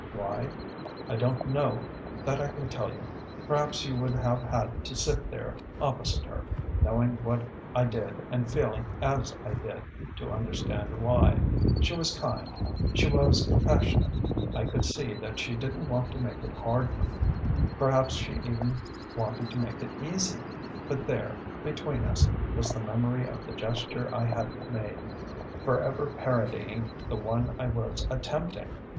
Why? I don't know that I can tell you. Perhaps you would have had to sit there opposite her, knowing what I did and feeling as I did, to understand why. She was kind, she was compassionate I could see she didn't want to make it hard for me. Perhaps she even wanted to make it easy. But there, between us, was the memory of the gesture I hadn't made, forever parodying the one I was attempting!